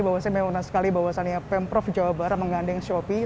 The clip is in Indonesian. saya meminta sekali bahwasannya pemprov jawa barat menggandeng shopee